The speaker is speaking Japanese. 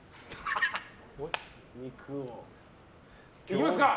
いきますか？